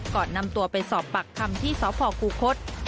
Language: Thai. ก่อนนำตัวไปสอบปากคำที่สพคูคศ